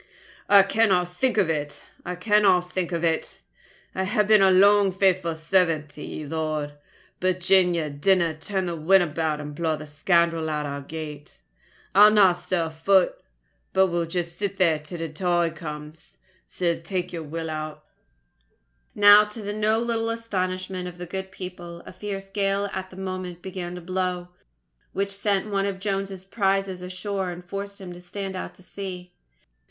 "I canna think of it! I canna think of it! I hae been lang a faithful servant to ye, Lord; but gin ye dinna turn the wind about and blaw the scoundrel out of our gate, I'll nae stir a foot. But will just sit here till the tide comes. Sae tak ye'r will o't." Now, to the no little astonishment of the good people, a fierce gale at that moment began to blow, which sent one of Jones's prizes ashore and forced him to stand out to sea.